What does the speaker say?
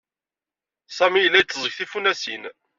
Sami yella itteẓẓeg tifunasin.